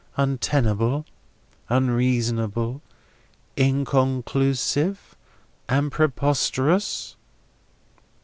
Untenable, unreasonable, inconclusive, and preposterous!"